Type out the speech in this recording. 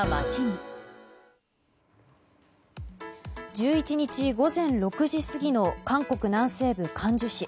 １１日午前６時過ぎの韓国南西部クアンジュ市。